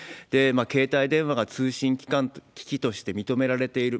携帯電話が通信機器として認められている。